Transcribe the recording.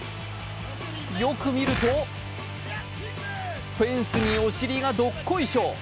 よく見ると、フェンスにお尻がどっこいしょ。